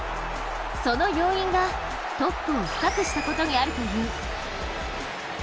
その要因が、トップを深くしたことにあるという。